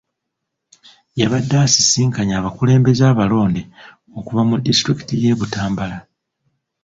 Yabadde asisinkanye abakulembeze abalonde okuva mu disitulikiti y'e Butambala.